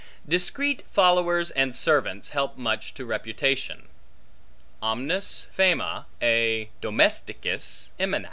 Discreet followers and servants, help much to reputation. Omnis fama a domesticis emanat.